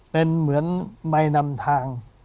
เป็นเหมือนใบนำทาง